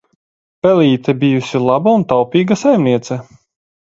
Pel?te bijusi laba un taup?ga saimniece.